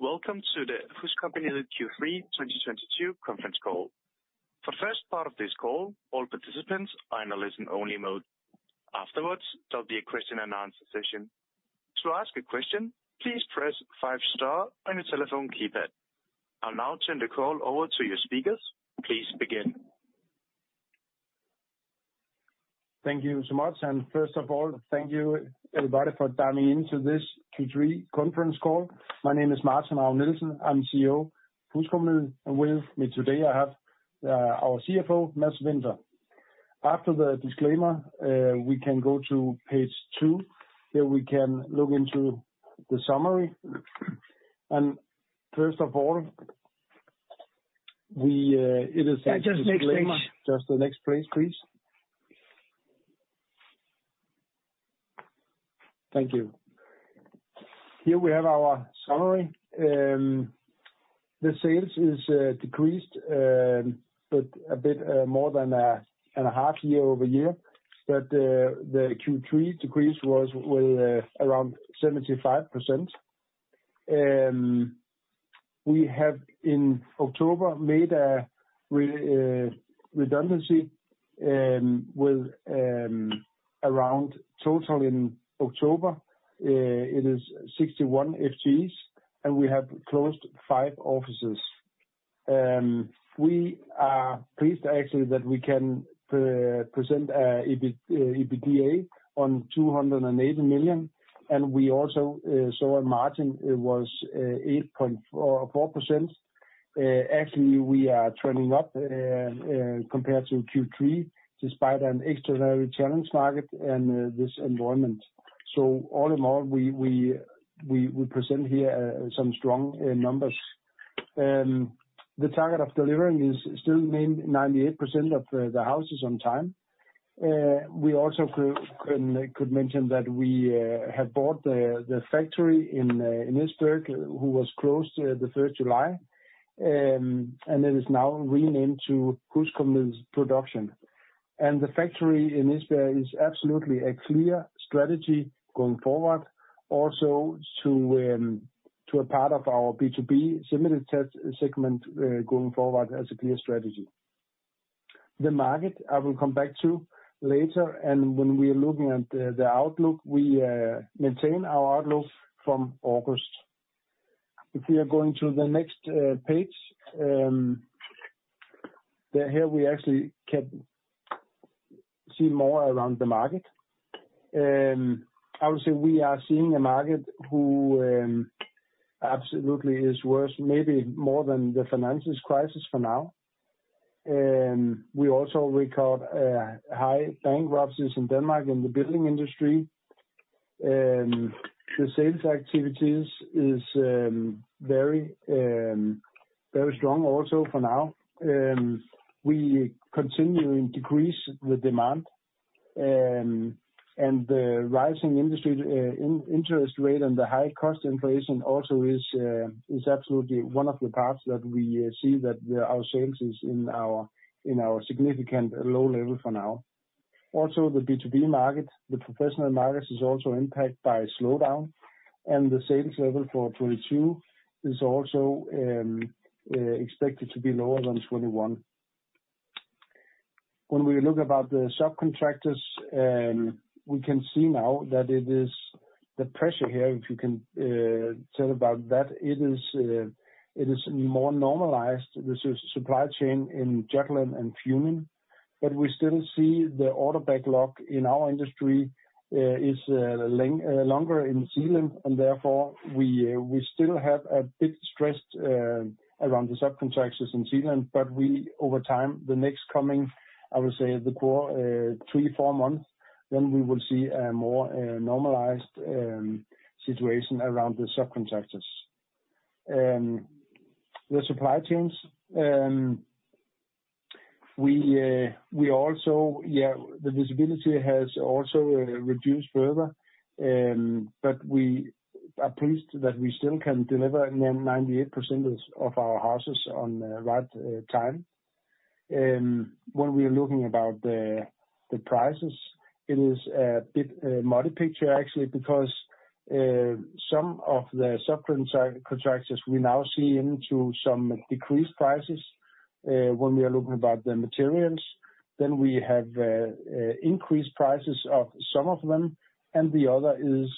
Welcome to the HusCompagniet Q3 2022 Conference Call. For the first part of this call, all participants are in a listen-only mode. Afterwards, there'll be a question and answer session. To ask a question, please press five star on your telephone keypad. I'll now turn the call over to our speakers. Please begin. Thank you so much. First of all, thank you everybody for dialing into this Q3 conference call. My name is Martin Ravn-Nielsen, I'm CEO HusCompagniet. With me today I have our CFO, Mads Dehlsen Winther. After the disclaimer, we can go to page two, then we can look into the summary. Yeah, just next page. Just the next please. Thank you. Here we have our summary. The sales is decreased, but a bit more than half year-over-year. The Q3 decrease was around 75%. We have in October made redundancies with a total in October of 61 FTEs, and we have closed five offices. We are pleased actually that we can present EBITDA of 280 million. We also saw a margin, it was 8.4%. Actually we are trending up compared to Q3 despite an extraordinary challenging market and this environment. All in all, we present here some strong numbers. The target of delivering is still maintaining 98% of the houses on time. We also could mention that we have bought the factory in Esbjerg which was closed the third of July. It is now renamed to HusCompagniet Production. The factory in Esbjerg is absolutely a clear strategy going forward, also to a part of our B2B segment going forward as a clear strategy. The market I will come back to later and when we are looking at the outlook, we maintain our outlook from August. If we are going to the next page, then here we actually can see more around the market. I would say we are seeing a market that absolutely is worse, maybe more than the financial crisis for now. We also record high bankruptcies in Denmark in the building industry. The sales activities is very strong also for now. We continue to see a decrease in the demand, and the rising interest rate and the high cost inflation also is absolutely one of the parts that we see that our sales is at a significantly low level for now. Also, the B2B market, the professional market is also impacted by slowdown, and the sales level for 2022 is also expected to be lower than 2021. When we look about the subcontractors, we can see now that there is pressure here, if you can tell about that, it is more normalized with the supply chain in Jutland and Funen. We still see the order backlog in our industry is longer in Zealand, and therefore we still have a bit of stress around the subcontractors in Zealand, but over time, the next coming, I would say the quarter, three four months, then we will see a more normalized situation around the subcontractors. The supply chains, we also, yeah, the visibility has also reduced further, but we are pleased that we still can deliver 98% of our houses on time. When we are looking at the prices, it is a bit mixed picture actually because some of the subcontractors we now see some decreased prices when we are looking at the materials. We have increased prices of some of them, and the other is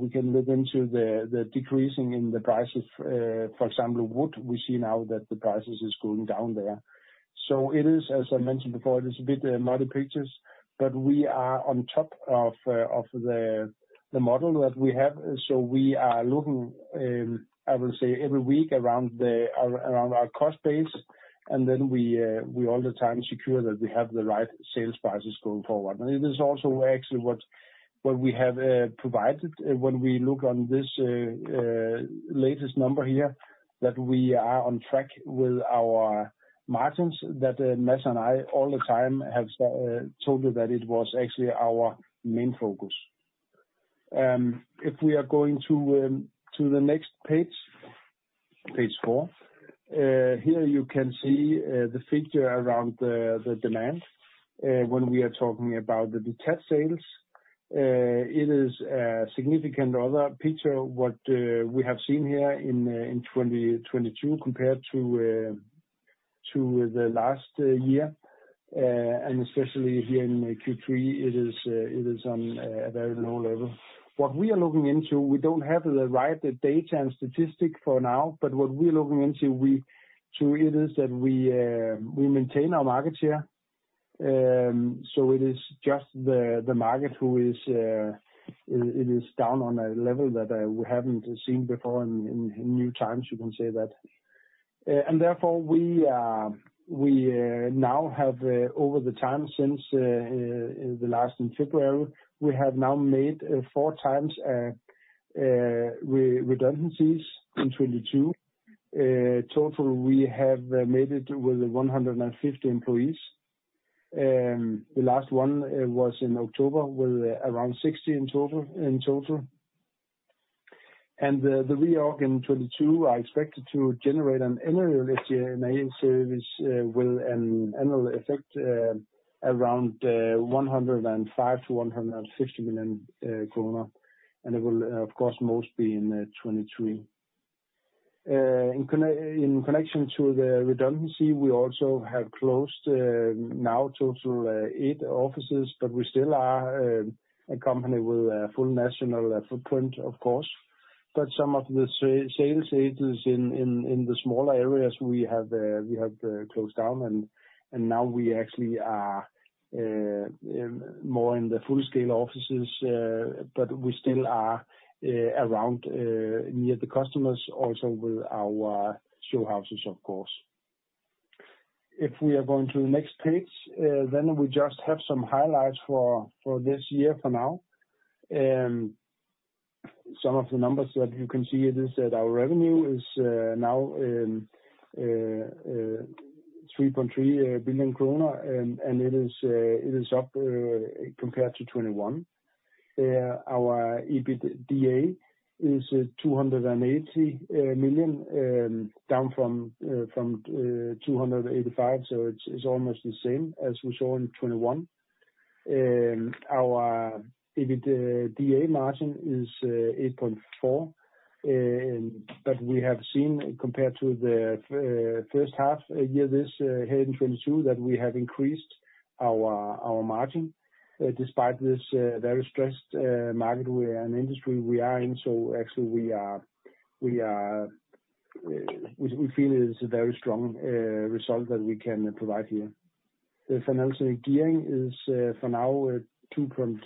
we can look into the decreasing in the prices, for example, wood. We see now that the prices is going down there. It is, as I mentioned before, it is a bit muddy pictures, but we are on top of the model that we have. We are looking. I will say every week around our cost base, and then we all the time secure that we have the right sales prices going forward. It is also actually what we have provided when we look on this latest number here, that we are on track with our margins that Mads and I all the time have told you that it was actually our main focus. If we are going to the next page. Page four. Here you can see the figure around the demand when we are talking about the Detached sales. It is a significantly different picture what we have seen here in 2022 compared to the last year. Especially here in Q3, it is on a very low level. What we are looking into, we don't have the right data and statistic for now, but what we're looking into is that we maintain our market share. It is just the market who is, it is down on a level that we haven't seen before in new times, you can say that. Therefore we now have, over the time since the last in February, we have now made four times redundancies in 2022. Total we have made it with 150 employees. The last one was in October, with around 60 in total. The reorg in 2022 are expected to generate an annual around 105 million-150 million kroner, it will cost more in 2023. In connection to redundancy, we also have closed now eight offices but we still are a company in the small areas we have closed down and now we actually more in the full-scale offices but we still around near the customer. If we're going to next page we just have some highlights for this year, for now, and some numbers you can see it in our revenue is now 3.3 billion kroner and it is up compare to 2021. Our EBITDA is 280 million down from 285 million, it's almost the same as we shown in 2021. And our EBITDA margin is 8.4%, we have seen compared to the first half this 2022 that we have increased our margin despit. It's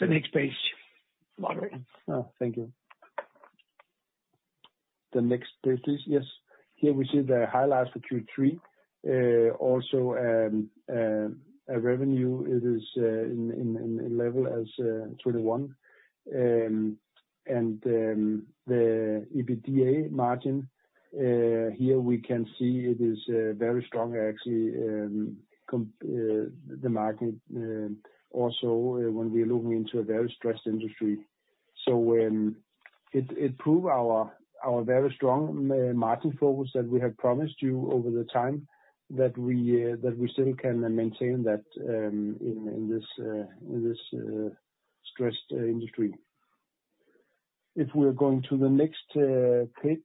the next page, Martin. Oh, thank you. The next page please. Yes. Here we see the highlights for Q3. Also, revenue it is in level as 2021. The EBITDA margin, here we can see it is very strong actually, the market also when we're looking into a very stressed industry. It proves our very strong margin focus that we have promised you over the time, that we still can maintain that in this stressed industry. If we're going to the next page,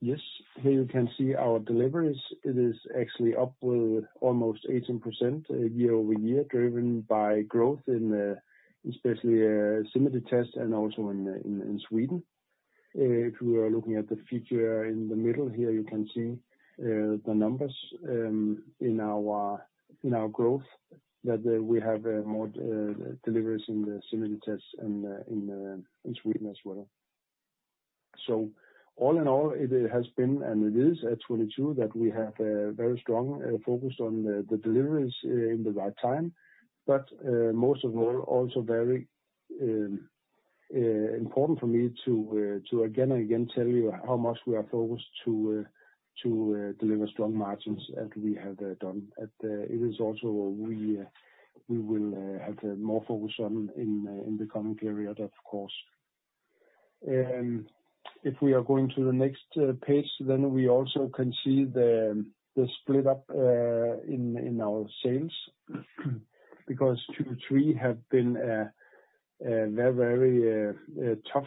Yes. Here you can see our deliveries. It is actually up with almost 18% year-over-year, driven by growth in especially Semi-detached and also in Sweden. If you are looking at the future in the middle here, you can see the numbers in our growth, that we have more deliveries in the Semi-detached and in Sweden as well. All in all, it has been, and it is at 2022, that we have a very strong focus on the deliveries in the right time. Most of all, also very important for me to again and again tell you how much we are focused to deliver strong margins as we have done. It is also we will have more focus on in the coming period, of course. If we are going to the next page, then we also can see the split up in our sales. Because Q3 have been very tough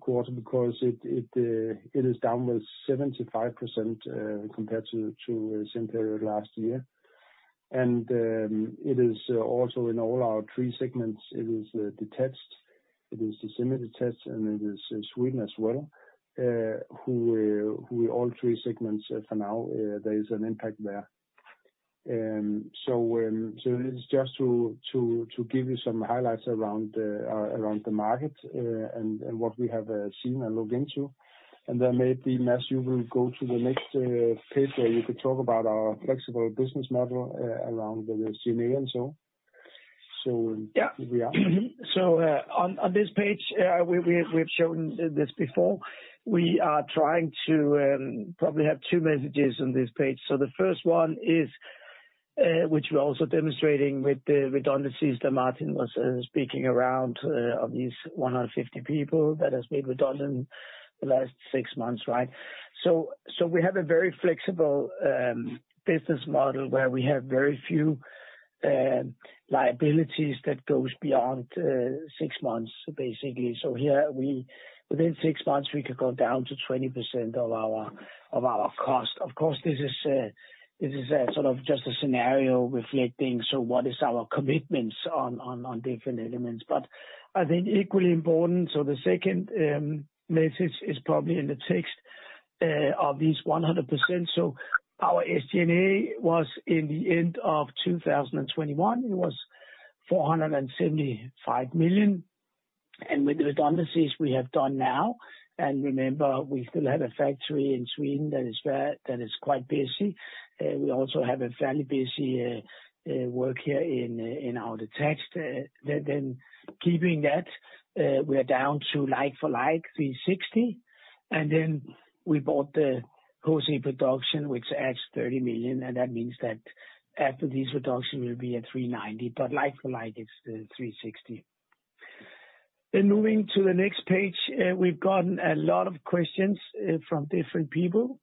quarter because it is down 75% compared to same period last year. It is also in all our three segments. It is the Detached, it is the Semi-detached, and it is Sweden as well, who all three segments for now, there is an impact there. It is just to give you some highlights around the market and what we have seen and looked into. Maybe, Mads, you will go to the next page where you could talk about our flexible business model around the cost model and so. On this page, we have shown this before. We are trying to probably have two messages on this page. The first one is which we're also demonstrating with the redundancies that Martin was speaking around of these 150 people that has been redundant the last six months, right? We have a very flexible business model where we have very few liabilities that goes beyond six months, basically. Here within six months, we could go down to 20% of our cost. Of course, this is a sort of just a scenario reflecting what is our commitments on different elements. But I think equally important, the second message is probably in the text of these 100%. Our SG&A was in the end of 2021, it was 475 million. With the redundancies we have done now, and remember, we still have a factory in Sweden that is quite busy. We also have a fairly busy work here in Odense, then keeping that, we're down to like for like 360 million. We bought the HusCompagniet Production, which adds 30 million, and that means that after this reduction we'll be at 390 million. Like for like, it's 360 million. Moving to the next page, we've gotten a lot of questions from different people,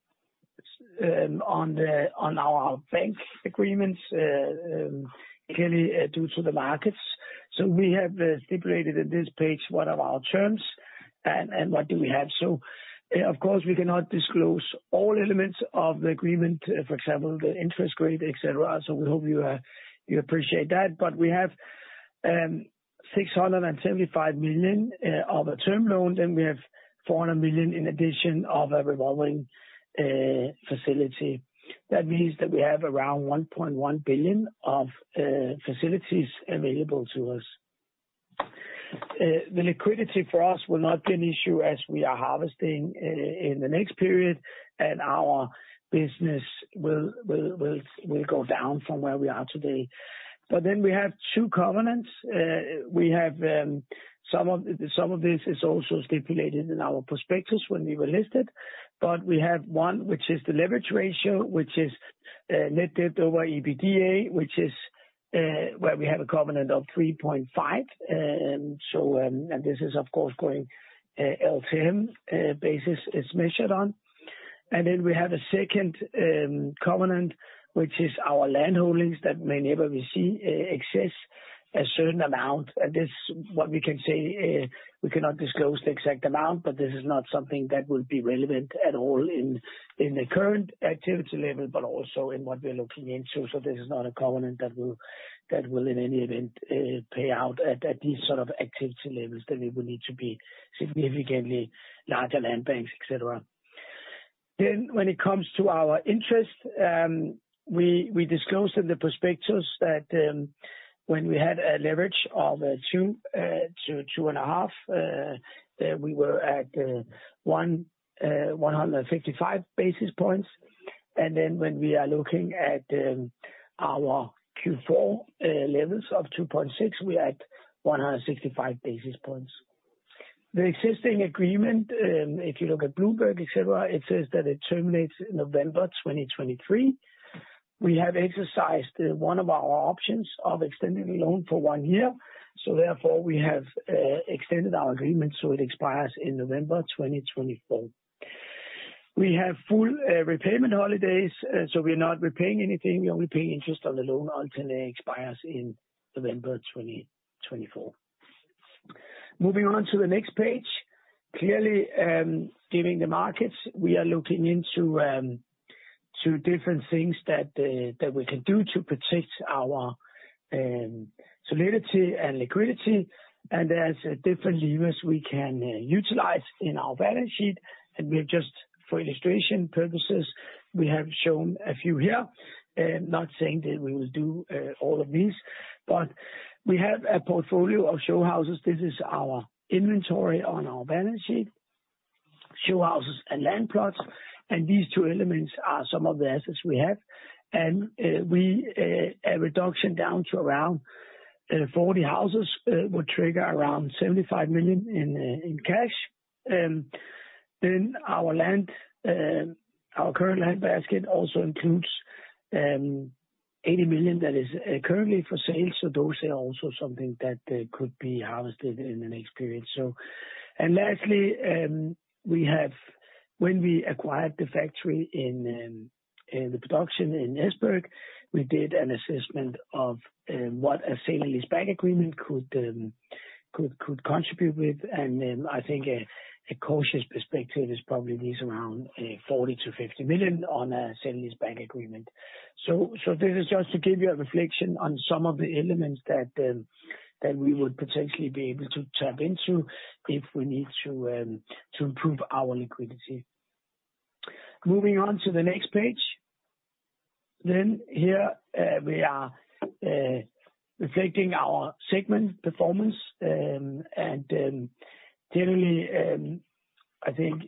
some on our bank agreements, clearly due to the markets. We have stipulated in this page what our terms and what we have are. Of course, we cannot disclose all elements of the agreement, for example, the interest rate, et cetera. We hope you appreciate that. We have 675 million of a term loan, then we have 400 million in addition of a revolving facility. That means that we have around 1.1 billion of facilities available to us. The liquidity for us will not be an issue as we are harvesting in the next period, and our business will go down from where we are today. We have two covenants. We have some of this is also stipulated in our prospectus when we were listed. We have one, which is the leverage ratio, which is net debt over EBITDA, where we have a covenant of 3.5%. This is of course measured on a LTM basis. We have a second covenant, which is our land holdings that may never exceed a certain amount. To this, what we can say, we cannot disclose the exact amount, but this is not something that will be relevant at all in the current activity level, but also in what we're looking into. This is not a covenant that will in any event pay out at these sort of activity levels. We would need to be significantly larger land banks, et cetera. When it comes to our interest, we disclosed in the prospectus that when we had a leverage of 2%-2.5%, then we were at 155 basis points. When we are looking at our Q4 levels of 2.6%, we're at 165 basis points. The existing agreement, if you look at Bloomberg, et cetera, it says that it terminates in November 2023. We have exercised one of our options of extending the loan for one year, so therefore we have extended our agreement so it expires in November 2024. We have full repayment holidays, so we're not repaying anything. We are repaying interest on the loan until it expires in November 2024. Moving on to the next page. Clearly, given the markets, we are looking into two different things that we can do to protect our solidity and liquidity. There's different levers we can utilize in our balance sheet. For illustration purposes, we have shown a few here. Not saying that we will do all of these. We have a portfolio of show houses. This is our inventory on our balance sheet, show houses and land plots. These two elements are some of the assets we have. A reduction down to around 40 houses would trigger around 75 million in cash. Then our land, our current land bank also includes 80 million that is currently for sale. Those are also something that could be harvested in the next period. Lastly, when we acquired the factory in the production in Esbjerg, we did an assessment of what a sale and lease back agreement could contribute with. I think a cautious perspective is probably at least around 40 million-50 million on a sale and lease back agreement. This is just to give you a reflection on some of the elements that we would potentially be able to tap into if we need to improve our liquidity. Moving on to the next page. Here, we are reflecting our segment performance. Generally, I think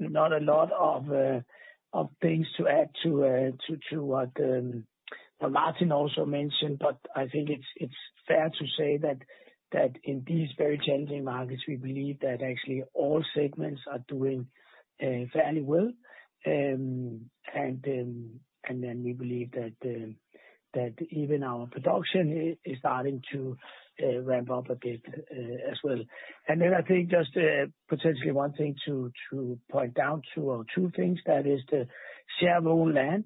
not a lot of things to add to what Martin also mentioned, but I think it's fair to say that in these very challenging markets, we believe that actually all segments are doing fairly well. We believe that even our production is starting to ramp up a bit as well. I think just potentially one thing to point out, two things, that is the show house land.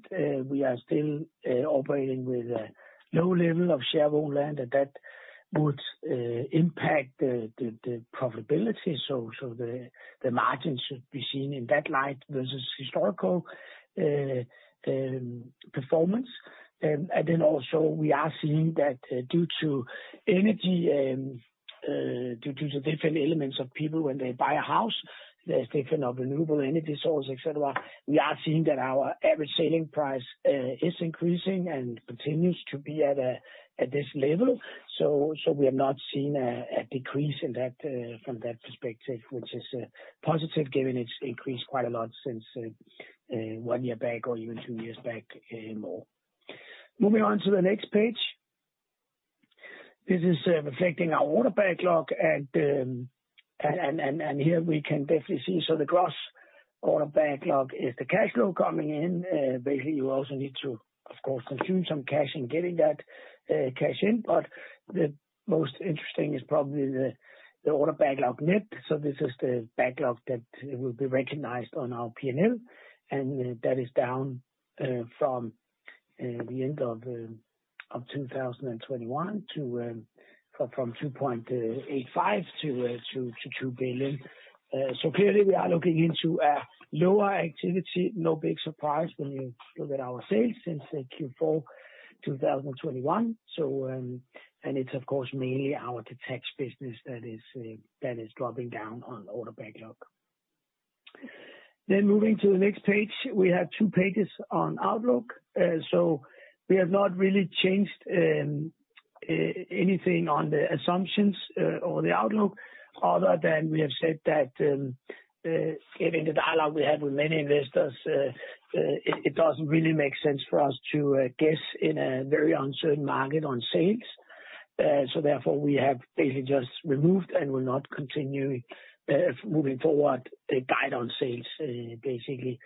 We are still operating with a low level of show house land, and that would impact the profitability. The margin should be seen in that light versus historical performance. We are seeing that due to energy and due to the different elements of people when they buy a house, there's different of renewable energy source, et cetera. We are seeing that our average selling price is increasing and continues to be at a, at this level. We have not seen a decrease in that from that perspective, which is positive, given it's increased quite a lot since one year back or even two years back even more. Moving on to the next page. This is reflecting our order backlog and here we can definitely see. The gross order backlog is the cash flow coming in. Basically, you also need to of course consume some cash in getting that cash in. The most interesting is probably the order backlog net. This is the backlog that will be recognized on our P&L, and that is down from the end of 2021, 2.85 billion-2 billion. Clearly we are looking at a lower activity, no big surprise when you look at our sales since the Q4 2021. It's of course mainly our Detached business that is dropping down on order backlog. Moving to the next page. We have two pages on outlook. We have not really changed anything on the assumptions or the outlook other than we have said that given the dialogue we have with many investors it doesn't really make sense for us to guess in a very uncertain market on sales. Therefore we have basically just removed and will not continue moving forward a guide on sales basically.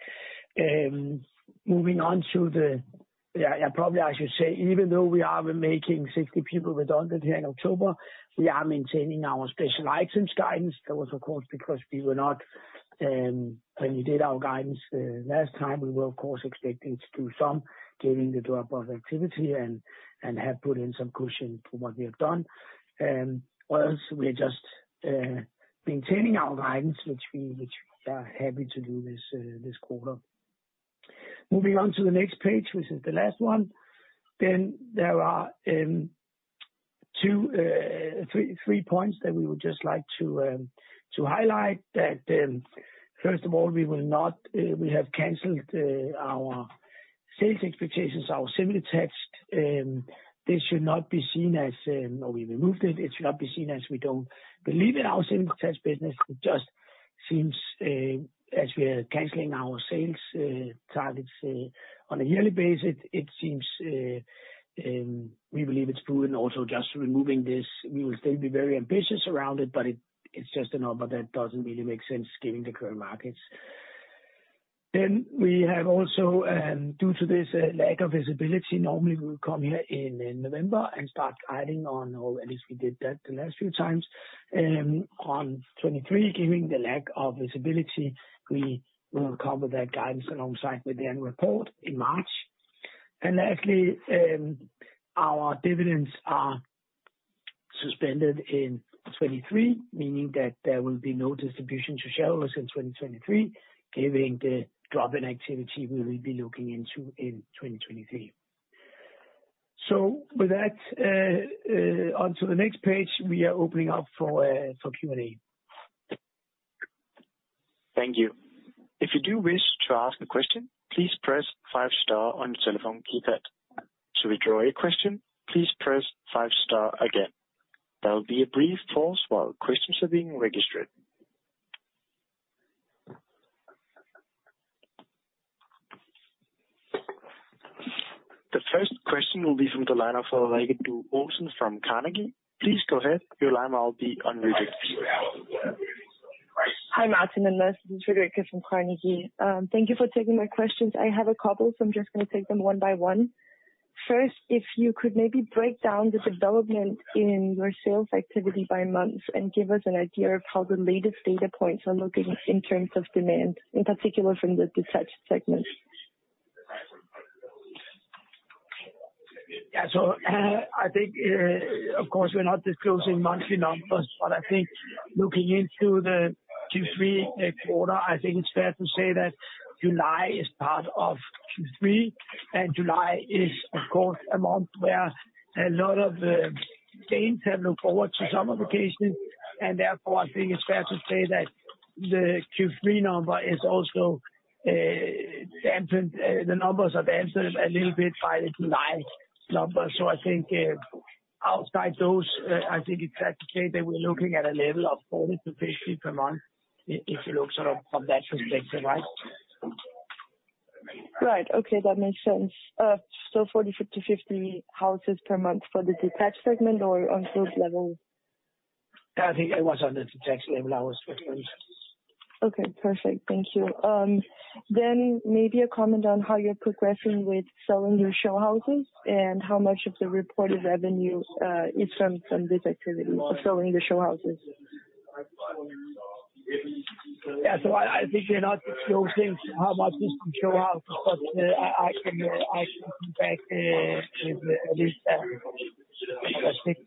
Yeah, probably I should say, even though we are making 60 people redundant here in October, we are maintaining our special items guidance. That was of course because we were not when we did our guidance last time, we were of course expecting to do some given the drop of activity and have put in some cushion for what we have done. We're just maintaining our guidance, which we are happy to do this quarter. Moving on to the next page, which is the last one. There are three points that we would just like to highlight. First of all, we have canceled our sales expectations, our Semi-detached. This should not be seen as, or we removed it. It should not be seen as we don't believe in our Semi-detached business. It just seems as we are canceling our sales targets on a yearly basis, it seems we believe it's prudent also just removing this. We will still be very ambitious around it, but it's just a number that doesn't really make sense given the current markets. We have also, due to this lack of visibility, normally we come here in November and start guiding on, or at least we did that the last few times. On 2023, given the lack of visibility, we will cover that guidance alongside with the annual report in March. Lastly, our dividends are suspended in 2023, meaning that there will be no distribution to shareholders in 2023, given the drop in activity we will be looking into in 2023. With that, on to the next page, we are opening up for Q&A. Thank you. If you do wish to ask a question, please press five star on telephone keypad. To withdraw your question, please press five star again. There will be a brief pause while questions are being registered. The first question will be from the line of Frederikke Due Olsen from Carnegie. Please go ahead. Your line will be unmuted. Hi, Martin and Mads. This is Frederikke from Carnegie. Thank you for taking my questions. I have a couple, so I'm just gonna take them one by one. First, if you could maybe break down the development in your sales activity by month and give us an idea of how the latest data points are looking in terms of demand, in particular from the Detached segment? Yeah. I think of course, we're not disclosing monthly numbers, but I think looking into the Q3 quarter, I think it's fair to say that July is part of Q3, and July is of course a month where a lot of Danes have looked forward to summer vacation, and therefore, I think it's fair to say that the Q3 number is also affected a little bit by the July numbers. I think, outside those, I think it's hard to say that we're looking at a level of 40-50 per month, if you look sort of from that perspective, right? Right. Okay. That makes sense. 40-50 houses per month for the Detached segment or on those levels? I think it was on the Detached level I was referring to. Okay. Perfect. Thank you. Maybe a comment on how you're progressing with selling your show houses and how much of the reported revenue is from this activity of selling the show houses. I think you're not showing how much is from show houses, but I can come back with this. I think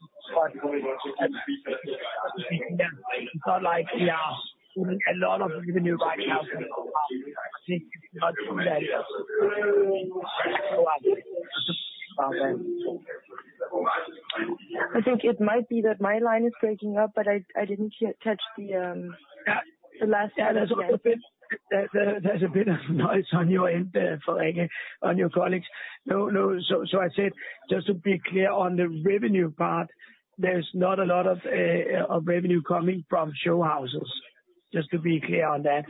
it's not like we are putting a lot of revenue right now. I think it's not from that. Okay. I think it might be that my line is breaking up, but I didn't catch the last. Yeah, there's a bit of noise on your end there, Frederikke, on your colleagues. No. I said, just to be clear on the revenue part, there's not a lot of revenue coming from show houses, just to be clear on that.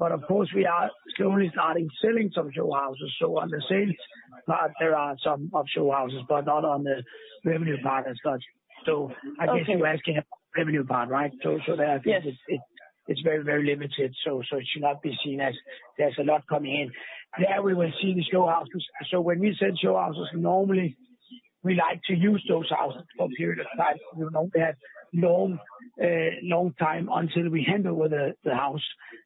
Of course, we are slowly starting selling some show houses. On the sales part there are some show houses, but not on the revenue part as such. Okay. I guess you're asking revenue part, right? Yes. It's very limited, so it should not be seen as there's a lot coming in. There we will see the show houses. When we sell show houses, normally we like to use those houses for a period of time. You know, we have long time until we hand over the house,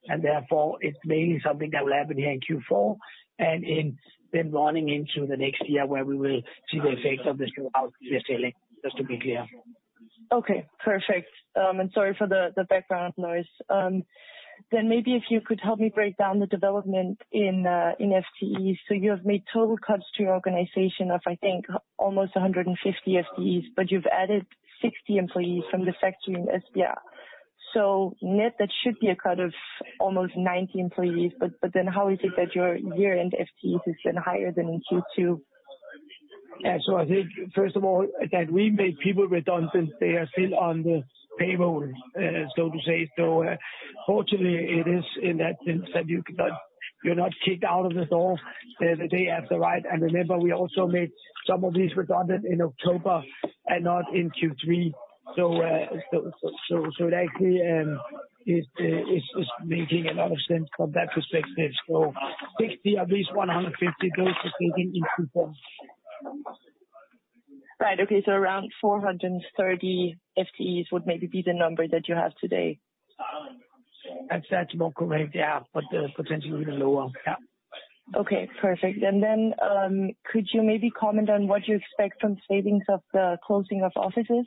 and therefore it's mainly something that will happen here in Q4 and then running into the next year where we will see the effects of the show houses we are selling, just to be clear. Okay. Perfect. Sorry for the background noise. Maybe if you could help me break down the development in FTEs. You have made total cuts to your organization of, I think, almost 150 FTEs, but you've added 60 employees from the factory in Esbjerg. Net, that should be a cut of almost 90 employees, but then how is it that your year-end FTEs has been higher than in Q2? Yeah. I think first of all, that we made people redundant, they are still on the payroll, so to say. Fortunately, it is in that sense that you're not kicked out of the door, the day after, right? Remember we also made some of these redundant in October and not in Q3. It actually is making a lot of sense from that perspective. 60 of these 150 goes to taking into Q4. Right. Okay. Around 430 FTEs would maybe be the number that you have today. That's more correct, yeah. Potentially even lower. Yeah. Okay. Perfect. Could you maybe comment on what you expect from savings of the closing of offices?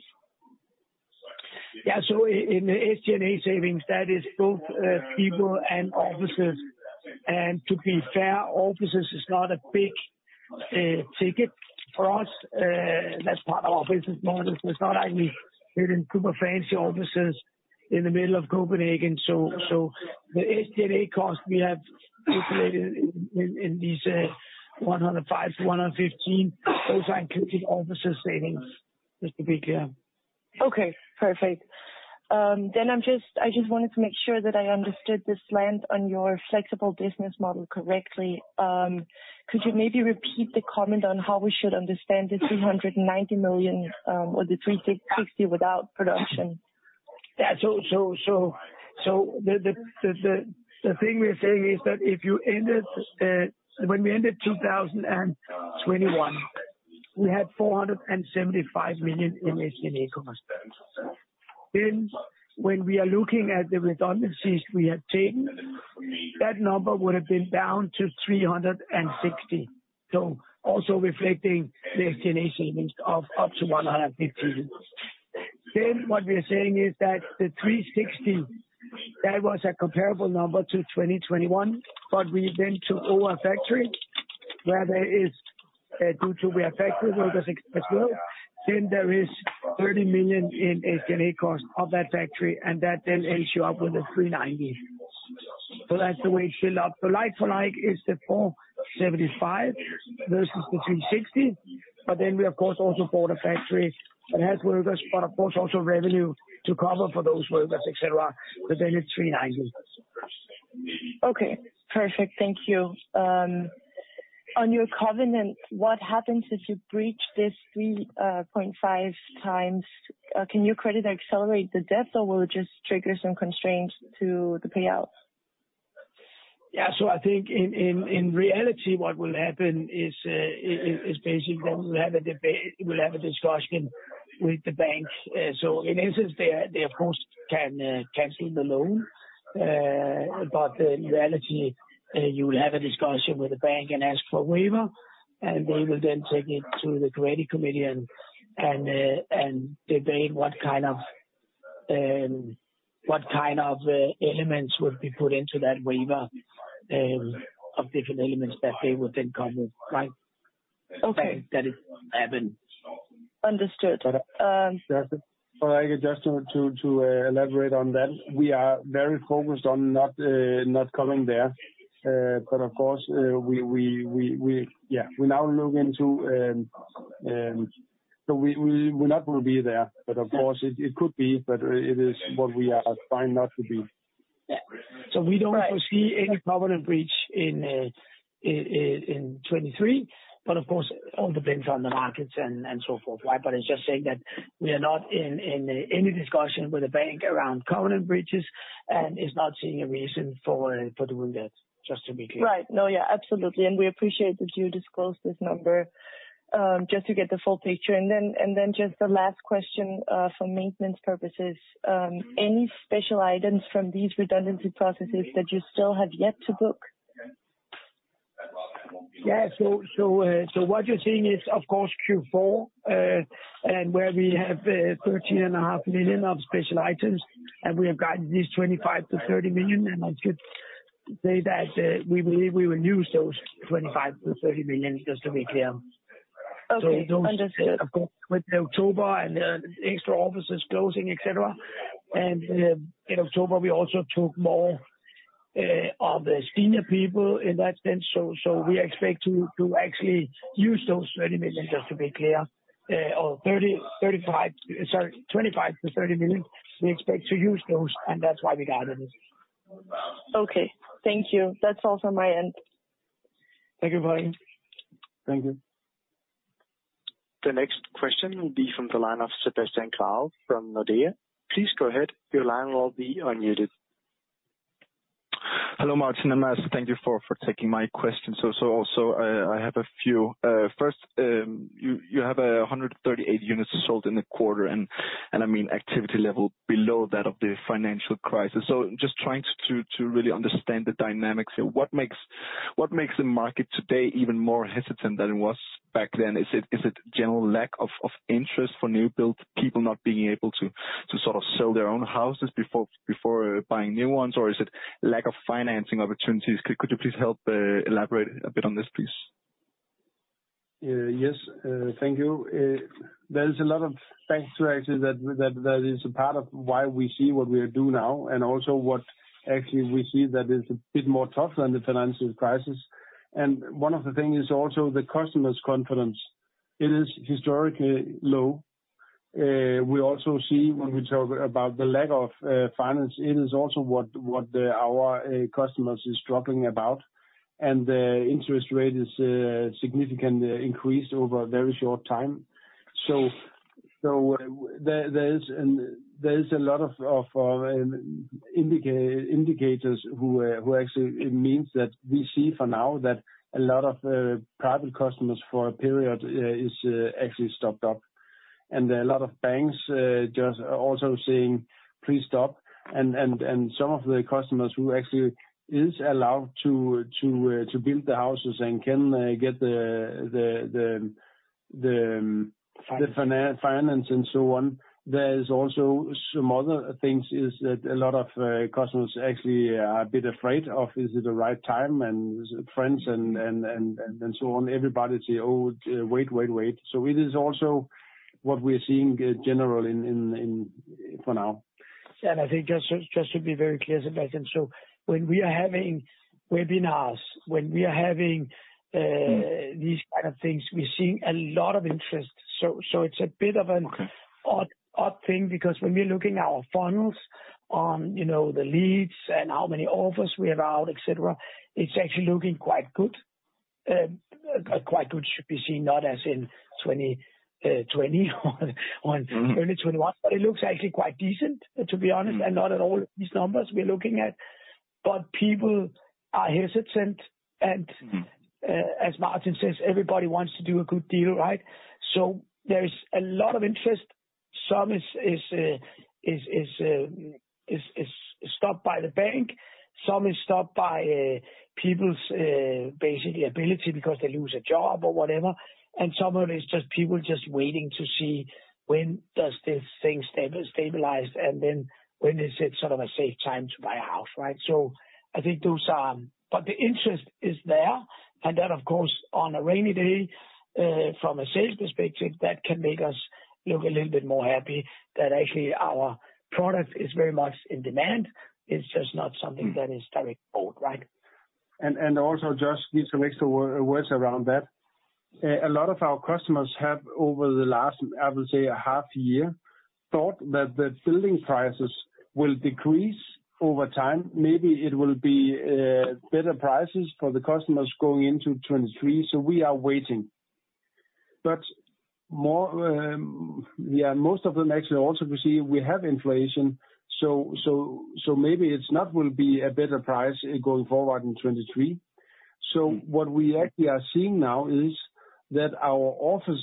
Yeah. In the SG&A savings, that is both people and offices. To be fair, offices is not a big ticket for us. That's part of our business model. It's not like we live in super fancy offices in the middle of Copenhagen. The SG&A costs we have calculated in these 105 million-115 million are including office savings, just to be clear. Okay. Perfect. I just wanted to make sure that I understood the slant on your flexible business model correctly. Could you maybe repeat the comment on how we should understand the 290 million or the 360 million without production? Yeah. The thing we're saying is that when we ended 2021, we had DKK 475 million in SG&A costs. When we are looking at the redundancies we had taken, that number would have been down to 360 million. Also reflecting the SG&A savings of up to 150 million. What we're saying is that the 360 million, that was a comparable number to 2021, but we then took over a factory where there is, due to we have factory workers as well, then there is 30 million in SG&A costs of that factory, and that then ends you up with the 390 million. That's the way it's built up. The like for like is the 475 million versus the 360 million. We of course also bought a factory that has workers, but of course also revenue to cover for those workers, et cetera. it's 390 million. Okay. Perfect. Thank you. On your covenant, what happens if you breach this 3.5x? Can your creditor accelerate the debt, or will it just trigger some constraints to the payouts? Yeah. I think in reality, what will happen is basically we'll have a discussion with the bank. In essence, they of course can cancel the loan. But in reality, you will have a discussion with the bank and ask for a waiver, and they will then take it to the credit committee and debate what kind of elements would be put into that waiver, of different elements that they would then come with. Right? Okay. I haven't. Understood. I could just to elaborate on that. We are very focused on not coming there. Of course, we now look into. We're not gonna be there. Of course it could be, but it is what we are trying not to be. Yeah. We don't foresee any covenant breach in 2023. Of course all depends on the markets and so forth, right? It's just saying that we are not in any discussion with the bank around covenant breaches, and is not seeing a reason for doing that, just to be clear. Right. No, yeah, absolutely. We appreciate that you disclosed this number, just to get the full picture. Just the last question, for maintenance purposes. Any special items from these redundancy processes that you still have yet to book? Yeah. What you're seeing is, of course, Q4, and where we have 13.5 million of special items, and we have guided these 25 million-30 million. I could say that we believe we will use those 25 million-30 million, just to be clear. Okay. Understood. Those, of course, with October and extra offices closing, et cetera. In October we also took more of the senior people in that sense. We expect to actually use those 30 million, just to be clear. Sorry, 25 million-30 million, we expect to use those, and that's why we guided it. Okay. Thank you. That's all from my end. Thank you, Frederikke. Thank you. The next question will be from the line of Sebastian Grave from Nordea. Please go ahead. Your line will be unmuted. Hello, Martin and Mads. Thank you for taking my question. I have a few. First, you have 138 units sold in the quarter, and I mean, activity level below that of the financial crisis. Just trying to really understand the dynamics. What makes the market today even more hesitant than it was back then? Is it general lack of interest for new build, people not being able to sort of sell their own houses before buying new ones? Is it lack of financing opportunities? Could you please help elaborate a bit on this, please? Yes, thank you. There's a lot of factors actually that is a part of why we see what we do now and also what actually we see that is a bit more tougher than the financial crisis. One of the things is also the customers' confidence. It is historically low. We also see when we talk about the lack of finance, it is also what our customers is struggling about. The interest rate is significantly increased over a very short time. There's a lot of indicators who actually it means that we see for now that a lot of private customers for a period is actually stopped up. A lot of banks just also saying, "Please stop." And some of the customers who actually is allowed to build the houses and can get the finance and so on, there is also some other things, is that a lot of customers actually are a bit afraid of, is it the right time, and friends and so on. Everybody say, "Oh, wait, wait." It is also what we're seeing generally in for now. I think just to be very clear, Sebastian, so when we are having webinars, when we are having these kind of things, we're seeing a lot of interest. It's a bit of an odd thing because when we're looking at our funnels on, you know, the leads and how many offers we have out, et cetera, it's actually looking quite good. Quite good should be seen not as in 2020 or 2021, but it looks actually quite decent, to be honest, and not at all these numbers we're looking at. People are hesitant and Mm-hmm. As Martin says, everybody wants to do a good deal, right? There is a lot of interest. Some is stopped by the bank, some is stopped by people's basically ability because they lose a job or whatever, and some of it is just people just waiting to see when does this thing stabilize, and then when is it sort of a safe time to buy a house, right? I think those are. The interest is there. Of course on a rainy day, from a sales perspective, that can make us look a little bit more happy that actually our product is very much in demand. It's just not something that is very bold, right? Also just need some extra words around that. A lot of our customers have over the last, I would say a half year, thought that the building prices will decrease over time. Maybe it will be better prices for the customers going into 2023, so we are waiting. More, most of them actually also we see we have inflation, so maybe it's not will be a better price going forward in 2023. What we actually are seeing now is that our offer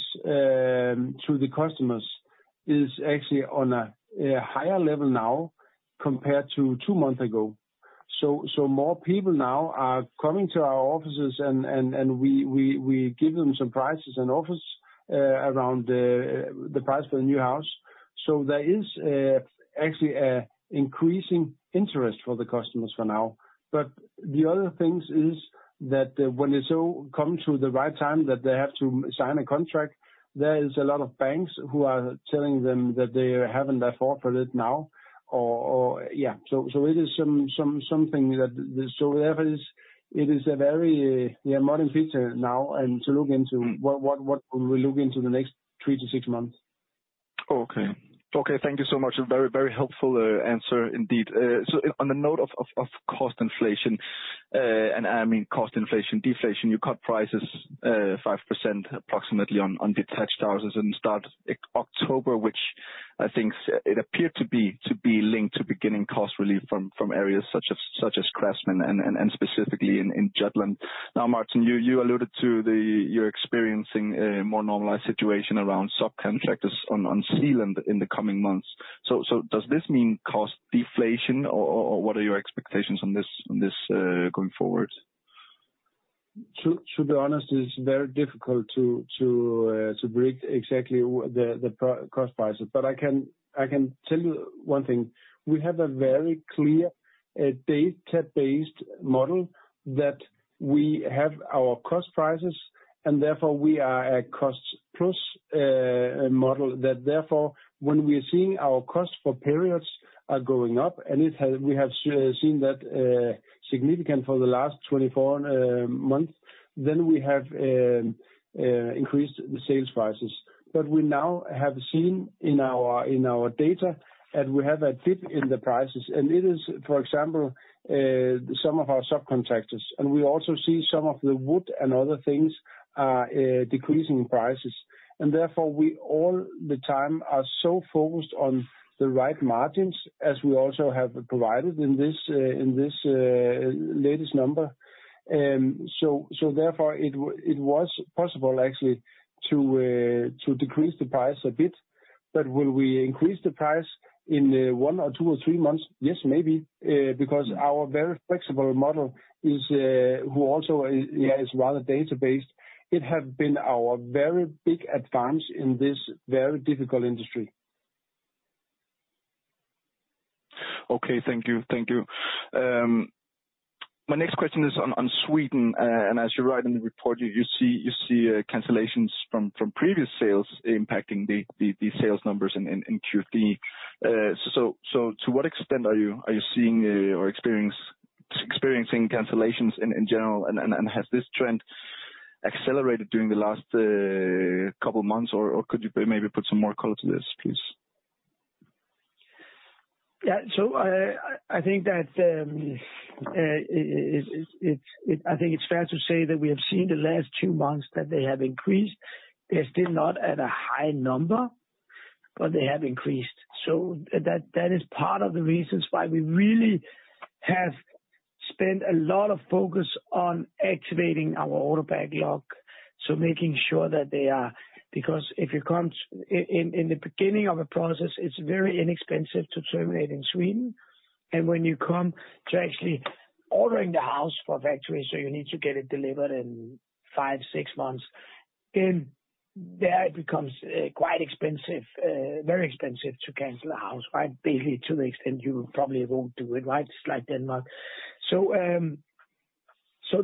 to the customers is actually on a higher level now compared to 2 months ago. More people now are coming to our offices and we give them some prices and offers around the price for the new house. There is actually an increasing interest for the customers for now. The other things is that when it so comes to the right time that they have to sign a contract, there is a lot of banks who are telling them that they haven't afforded it now, or yeah. It is something that so therefore is, it is a very yeah modern feature now, and to look into what we look into the next three to six months. Oh, okay. Okay, thank you so much. A very, very helpful answer indeed. On a note of cost inflation, and I mean deflation, you cut prices 5% approximately on Detached houses at the start of October, which I think it appeared to be linked to beginning cost relief from areas such as craftsmen and specifically in Jutland. Now, Martin, you alluded to you're experiencing a more normalized situation around subcontractors on Zealand in the coming months. Does this mean cost deflation or what are your expectations on this going forward? To be honest, it's very difficult to break exactly the product cost prices. But I can tell you one thing. We have a very clear data-based model that we have our cost prices, and therefore we are a cost-plus model. That therefore when we are seeing our costs for periods are going up, and it has we have seen that significantly for the last 24 months, then we have increased the sales prices. But we now have seen in our data that we have a dip in the prices, and it is, for example, some of our subcontractors, and we also see some of the wood and other things are decreasing in prices. Therefore we all the time are so focused on the right margins as we also have provided in this latest number. Therefore it was possible actually to decrease the price a bit. Will we increase the price in one or two or three months? Yes, maybe. Because our very flexible model, which also is rather data-based, it has been our very big advantage in this very difficult industry. Okay. Thank you. Thank you. My next question is on Sweden. As you write in the report, you see cancellations from previous sales impacting the sales numbers in Q3. To what extent are you seeing or experiencing cancellations in general? Has this trend accelerated during the last couple months, or could you maybe put some more color to this, please? Yeah. I think it's fair to say that we have seen in the last two months that they have increased. They're still not at a high number, but they have increased. That is part of the reasons why we really have spent a lot of focus on activating our order backlog, so making sure that they are. Because if you come in the beginning of a process, it's very inexpensive to terminate in Sweden. When you come to actually ordering the house from the factory, so you need to get it delivered in five, six months, then there it becomes quite expensive, very expensive to cancel a house, right? Basically, to the extent you probably won't do it, right? Just like Denmark.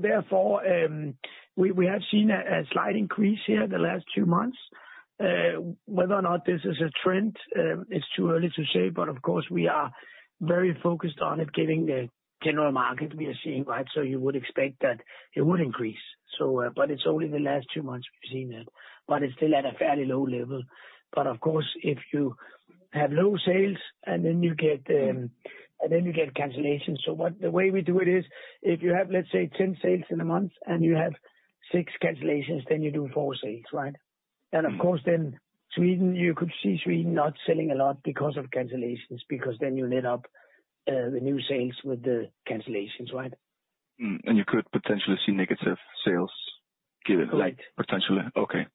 Therefore, we have seen a slight increase here the last two months. Whether or not this is a trend is too early to say, but of course we are very focused on it given the general market we are seeing, right? You would expect that it would increase. It's only the last two months we've seen it, but it's still at a fairly low level. Of course, if you have low sales and then you get cancellations. The way we do it is if you have, let's say, 10 sales in a month and you have six cancellations, then you do four sales, right? Of course in Sweden, you could see Sweden not selling a lot because of cancellations, because then you net up the new sales with the cancellations, right? You could potentially see negative sales given- Right. Potentially. Okay.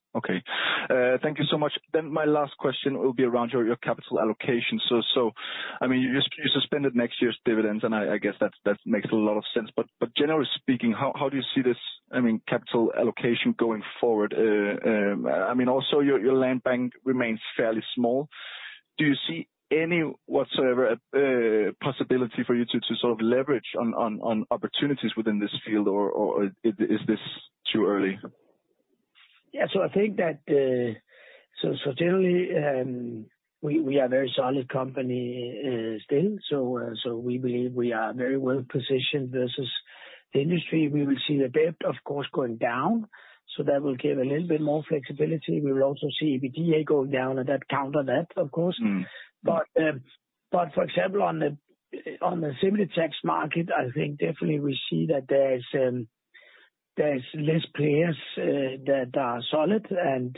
Thank you so much. My last question will be around your capital allocation. So I mean, you suspended next year's dividends, and I guess that makes a lot of sense. But generally speaking, how do you see this, I mean, capital allocation going forward? I mean, also your land bank remains fairly small. Do you see any whatsoever possibility for you to sort of leverage on opportunities within this field or is this too early? Yeah. I think that, so generally, we are a very solid company, still. We believe we are very well positioned versus the industry. We will see the debt, of course, going down. That will give a little bit more flexibility. We will also see EBITDA going down and that counters that of course. Mm. For example, on the Semi-detached market, I think definitely we see that there is, there's less players that are solid and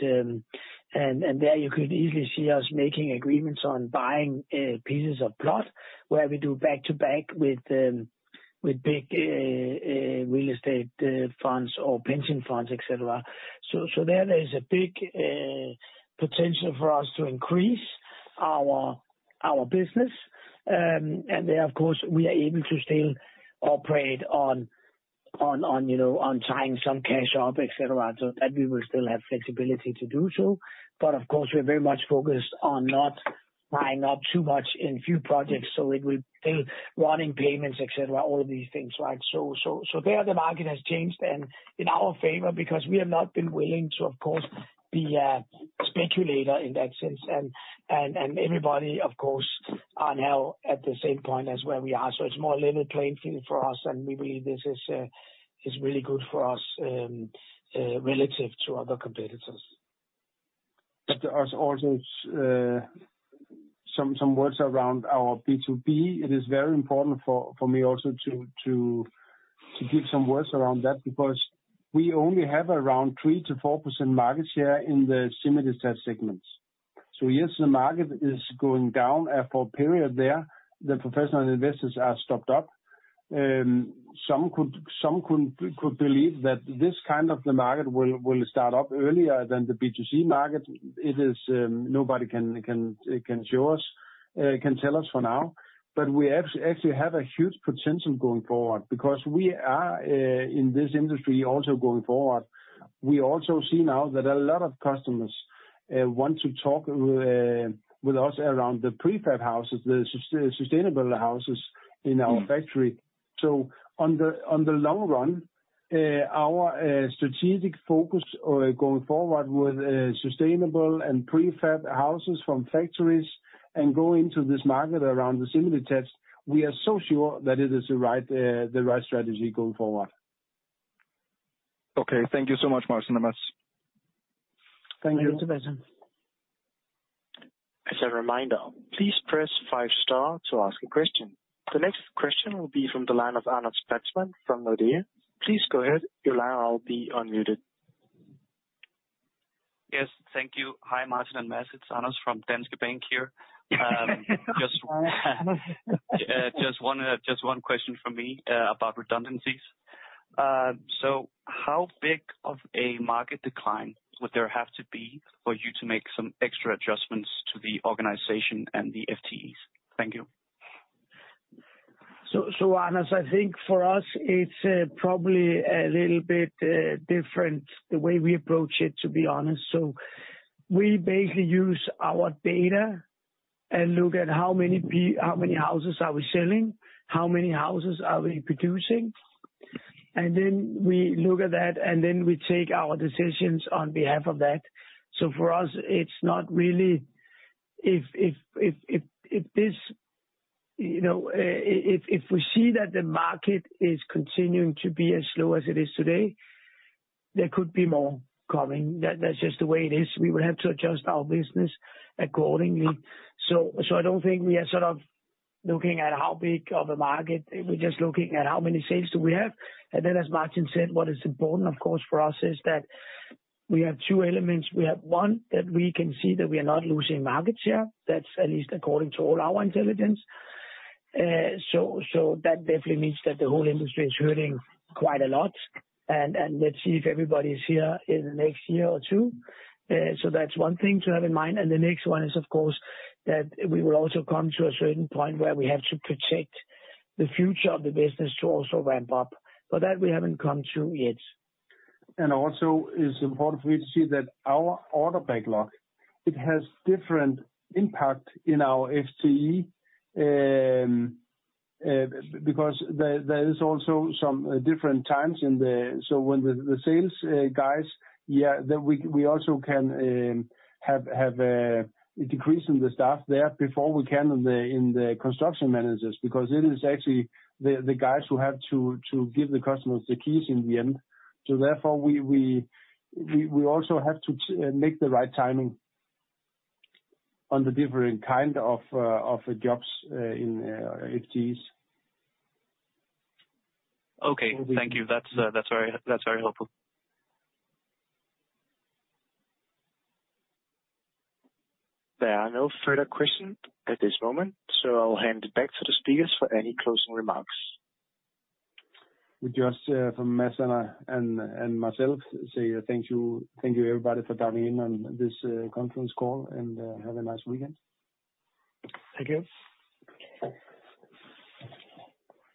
there you could easily see us making agreements on buying pieces of plot where we do back-to-back with big real estate funds or pension funds, et cetera. So there is a big potential for us to increase our business. And there of course, we are able to still operate on, you know, on tying up some cash, et cetera, so that we will still have flexibility to do so. Of course, we are very much focused on not tying up too much in few projects, so we'll still be running payments, et cetera, all of these things, right? There the market has changed and in our favor because we have not been willing to of course be a speculator in that sense and everybody of course are now at the same point as where we are. It's more level playing field for us and we believe this is really good for us, relative to other competitors. There are also some words around our B2B. It is very important for me also to give some words around that because we only have around 3%-4% market share in the Semi-detached segments. Yes, the market is going down for a period there, the professional investors are stocked up. Some could believe that this kind of the market will start up earlier than the B2C market. Nobody can tell us for now. We actually have a huge potential going forward because we are in this industry also going forward. We also see now that a lot of customers want to talk with us around the prefab houses, the sustainable houses in our factory. In the long run, our strategic focus going forward with sustainable and prefab houses from factories and going to this market around the Semi-detached, we are so sure that it is the right strategy going forward. Okay, thank you so much, Martin and Mads. Thank you. Thank you. As a reminder, please press five star to ask a question. The next question will be from the line of Anders Preetzmann from Nordea. Please go ahead, your line will be unmuted. Yes, thank you. Hi, Martin and Mads. It's Anders from Danske Bank here. Just one question from me about redundancies. How big of a market decline would there have to be for you to make some extra adjustments to the organization and the FTEs? Thank you. Anders, I think for us it's probably a little bit different the way we approach it, to be honest. We basically use our data and look at how many houses are we selling, how many houses are we producing. Then we look at that, and then we take our decisions on behalf of that. For us it's not really if this you know if we see that the market is continuing to be as slow as it is today, there could be more coming. That's just the way it is. We will have to adjust our business accordingly. I don't think we are sort of looking at how big of a market, we're just looking at how many sales do we have. As Martin said, what is important of course for us is that we have two elements. We have one that we can see that we are not losing market share. That's at least according to all our intelligence. That definitely means that the whole industry is hurting quite a lot, and let's see if everybody is here in the next year or two. That's one thing to have in mind. The next one is of course that we will also come to a certain point where we have to protect the future of the business to also ramp up. That we haven't come to yet. It's important for you to see that our order backlog, it has different impact in our FTE because there is also some different times in the sales guys, yeah, then we also can have a decrease in the staff there before we can in the construction managers because it is actually the guys who have to give the customers the keys in the end. Therefore we also have to make the right timing on the different kind of jobs in FTEs. Okay. Thank you. That's very helpful. There are no further questions at this moment, so I'll hand it back to the speakers for any closing remarks. We just, from Mads and I and myself, say thank you, thank you everybody for dialing in on this conference call and have a nice weekend. Thank you. Thanks.